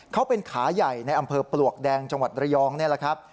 เขาเป็นขาใหญ่ในอำเภอปลวกแดงจังหวัดระยองนี่แหละครับ